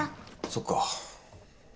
そっか。